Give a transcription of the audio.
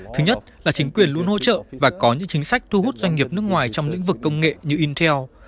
thứ nhất là chính quyền luôn hỗ trợ và có những chính sách thu hút doanh nghiệp nước ngoài trong lĩnh vực công nghệ như intel